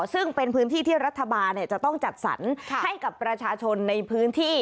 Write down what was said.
ซึ่งเป็นพื้นที่ที่รัฐบาลจะต้องจัดสรรให้กับประชาชนในพื้นที่